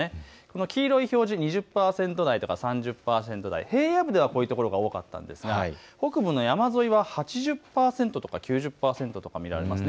黄色い表示は２０％台や３０％台、平野部ではこういったところが多くなりましたが北部の山沿いは８０％や９０％が見られます。